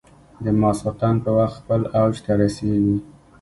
د ماخوستن په وخت خپل اوج ته رسېږي.